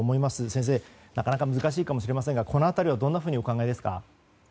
先生、なかなか難しいかもしれませんがこの辺りはどんなふうにお考えですか。